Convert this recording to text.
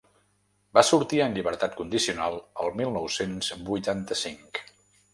Va sortir en llibertat condicional el mil nou-cents vuitanta-cinc.